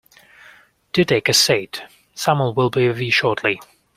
Do take a seat. Someone will be with you shortly.